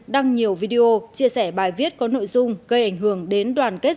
đăng nhiều video chia sẻ bài viết có nội dung gây ảnh hưởng đến đoàn kết